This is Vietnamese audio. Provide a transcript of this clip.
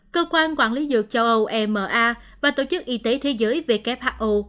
cơ quan quản lý dược châu âu ema và tổ chức y tế thế giới who